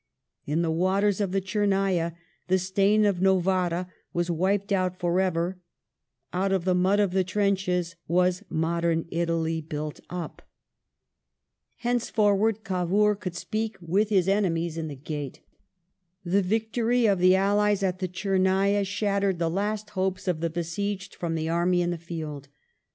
In the waters of the ' Tchernava the stain of Novara was wiped out for ever ; out of the inud of the trenches was modern Italy built up. Henceforward 1857] FALL OF SEBASTOPOL 247 Cavour could speak with his enemies in the gate. The victory of the allies at the Tchernaya shattered the last hopes of the besieged from the army in the field.